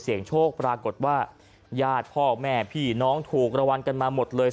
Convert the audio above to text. โชคปรากฏว่าญาติพ่อแม่พี่น้องถูกระวังกันมาหมดเลย